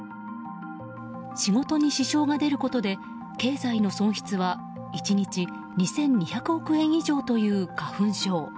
仕事に支障が出ることで経済の損失は１日２２００億円以上という花粉症。